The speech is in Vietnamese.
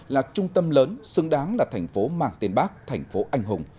là trung tâm lớn xứng đáng là thành phố mang tên bác thành phố anh hùng